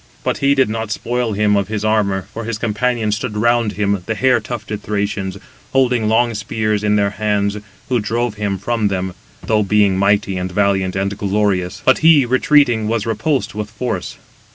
But he did not spoil him of his armour, for his companions stood round him, the hair tufted Thracians, holding long spears in their hands, who drove him from them, though being mighty, and valiant, and glorious; but he, retreating, was repulsed with force.